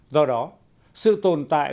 do đó sự tồn tại